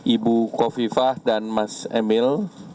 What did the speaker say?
ibu kofifah dan mas emil